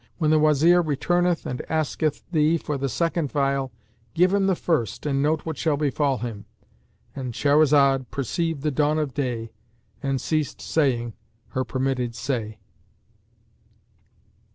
When the Wazir returneth and asketh thee for the second phial, give him the first and note what shall befall him;"—And Shahrazad perceived the dawn of day and ceased saying her permitted say.